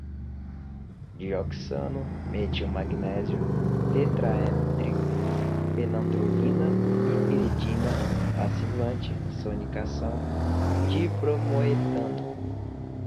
dioxano, metilmagnésio, tetraédrico, fenantrolina, bipiridina, passivante, sonicação, dibromoetano